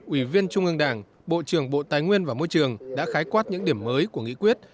ủy viên trung ương đảng bộ trưởng bộ tài nguyên và môi trường đã khái quát những điểm mới của nghị quyết